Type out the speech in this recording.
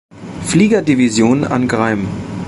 Flieger-Division an Greim.